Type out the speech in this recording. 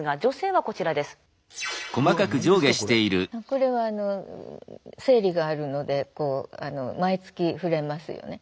これは生理があるのでこう毎月振れますよね。